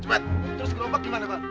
terus gerobak gimana pak